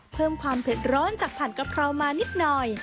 เพิ่มความเผ็ดร้อนจากผัดกะเพรามานิดหน่อย